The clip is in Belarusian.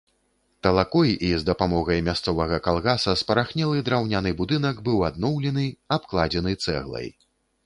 Талакой і з дапамогай мясцовага калгаса спарахнелы драўляны будынак быў адноўлены, абкладзены цэглай.